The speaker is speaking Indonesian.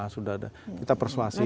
sudah ada kita persuasif